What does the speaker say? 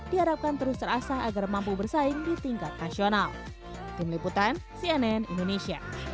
diharapkan terus terasa agar mampu bersaing di tingkat nasional